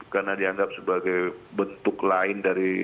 karena dianggap sebagai bentuk lain dari